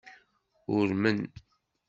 Urmen.